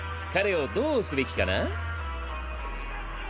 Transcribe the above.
彼をどうすべきかな？